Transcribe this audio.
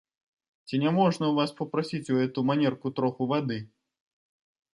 Ці няможна ў вас папрасіць у гэту манерку трохі вады?